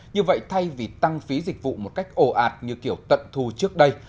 như vậy thay vì tăng phí dịch vụ một cách ồ ạt như kiểu tận thu trước đây